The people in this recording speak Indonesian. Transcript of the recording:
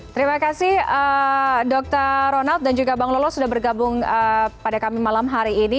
terima kasih dr ronald dan juga bang lolos sudah bergabung pada kami malam hari ini